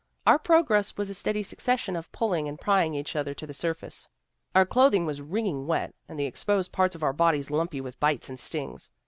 Our progress was a steady succession of pulling and prying each other to the surface. Our clothing was wringing wet, and the exposed parts of our bodies lumpy with bites and stings.